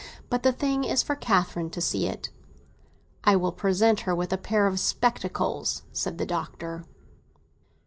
But the thing is for Catherine to see it." "I will present her with a pair of spectacles!" said the Doctor.